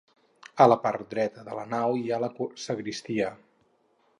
A la part dreta de la nau hi ha la sagristia.